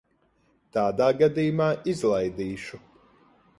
Tādā gadījumā izlaidīšu.